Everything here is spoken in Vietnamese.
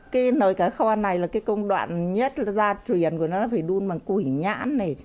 cái nồi cá kho này là cái công đoạn nhất gia truyền của nó là phải đun bằng củi nhãn này